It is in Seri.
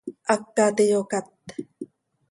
Hacat iyocát.